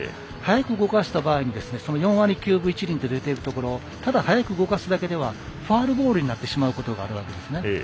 速く動かした場合４割９分１厘と出ているところただ速く動かすだけではファウルボールになってしまうことがあるわけですね。